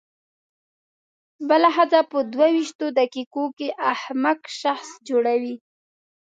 بله ښځه په دوه وېشتو دقیقو کې احمق شخص جوړوي.